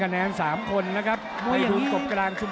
หรือว่าผู้สุดท้ายมีสิงคลอยวิทยาหมูสะพานใหม่